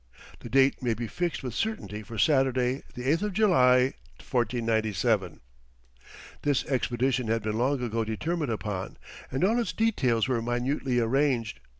The date may be fixed with certainty for Saturday, the 8th of July, 1497. This expedition had been long ago determined upon, and all its details were minutely arranged.